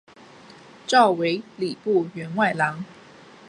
召为礼部员外郎。